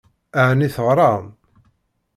Ɛni teɣṛam?